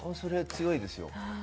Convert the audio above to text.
強いですよ。